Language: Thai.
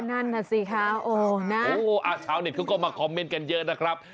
นั่นน่ะสิคะโอ้นะชาวเน็ตเขาก็มาคอมเมนต์กันเยอะนะครับ